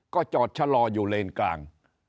ก็จอดชะลออยู่เลนกลาง